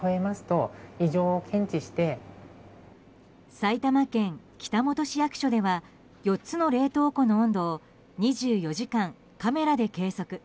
埼玉県北本市役所では４つの冷凍庫の温度を２４時間カメラで計測。